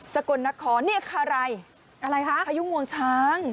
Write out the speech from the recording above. สกลนครนี่ค่ะไรอะไรคะพยุงมวงช้าง